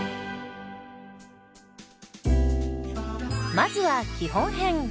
まずは基本編。